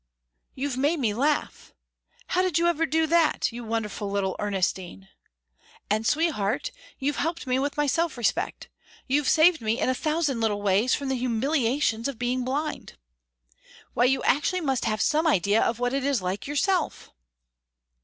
You've made me laugh! How did you ever do that you wonderful little Ernestine? And, sweetheart, you've helped me with my self respect. You've saved me in a thousand little ways from the humiliations of being blind. Why you actually must have some idea of what it is like yourself!"